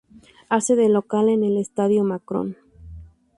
Hace de local en el Estadio Macron.